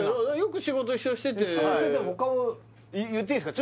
一緒にしてても他は言っていいですか？